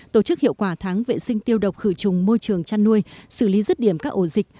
tổ chức hiệu quả tháng vệ sinh tiêu độc khử trùng môi trường chăn nuôi xử lý rứt điểm các ổ dịch